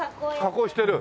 加工してる？